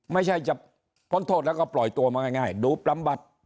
ไม่ใช่จะพ้นโทษแล้วก็ปล่อยตัวมาง่ายดูปรำบัด